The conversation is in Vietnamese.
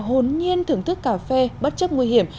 hồn nhiên thưởng thức cà phê bất chấp nguy hiểm